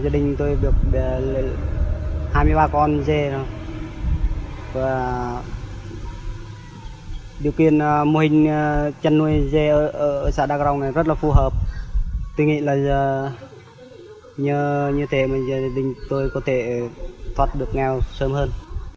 đắk rồng này rất là phù hợp tôi nghĩ là như thế mà gia đình tôi có thể thoát được nghèo sớm hơn